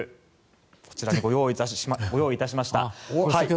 こちらにご用意いたしました。